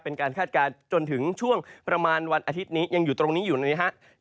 คาดการณ์จนถึงช่วงประมาณวันอาทิตย์นี้ยังอยู่ตรงนี้อยู่นะครับ